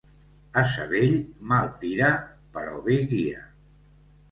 Ase vell, mal tira; però bé guia.